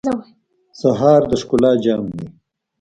سهار د ښکلا جام دی.